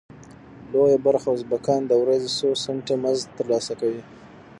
لویه برخه ازبکان د ورځې څو سنټه مزد تر لاسه کوي.